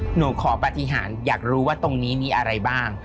หนูขอปฏิหารอยากรู้ว่าตรงนี้มีอะไรบ้าง